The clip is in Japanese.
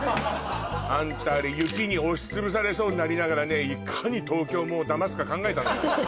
アンタあれ雪に押し潰されそうになりながらねいかに東京もんをだますか考えたのよ